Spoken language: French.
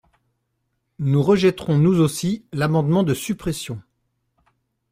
Nous rejetterons, nous aussi, l’amendement de suppression.